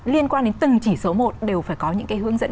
liên quan đến từng chỉ số một đều phải có những cái hướng dẫn